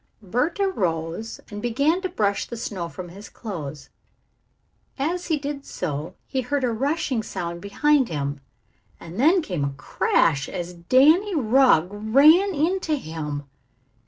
Bert arose and began to brush the snow from his clothes. As he did so he heard a rushing sound behind him and then came a crash as Danny Rugg ran into him.